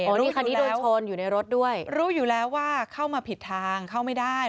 นี่คันนี้โดนชนอยู่ในรถด้วยรู้อยู่แล้วว่าเข้ามาผิดทางเข้าไม่ได้